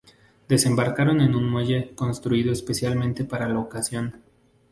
Desembarcaron en un muelle construido especialmente para la ocasión.